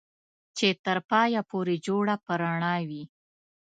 چې تر پايه پورې جوړه په رڼا وي